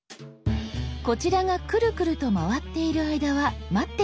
こちらがクルクルと回っている間は待っていましょう。